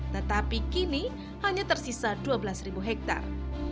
tetapi kini hanya tersisa dua belas hektare